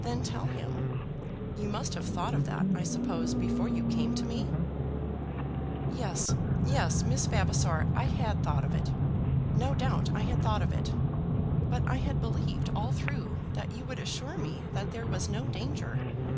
"Then tell him. You must have thought of that, I suppose, before you came to me." "Yes; yes, Miss Vavasor. I had thought of it. No doubt I had thought of it. But I had believed all through that you would assure me that there was no danger.